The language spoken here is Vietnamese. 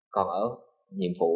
còn ở nhiệm vụ